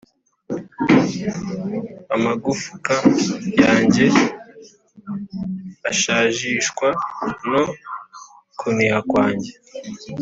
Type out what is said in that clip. amagufka yanjye ashajishwa no kuniha kwanjye